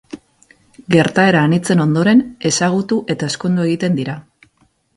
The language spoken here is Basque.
Gertaera anitzen ondoren, ezagutu eta ezkondu egiten dira.